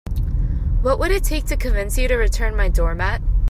What would it take to convince you to return my doormat?